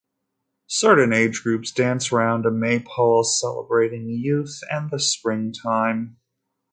Certain age-groups dance round a Maypole celebrating youth and the spring time.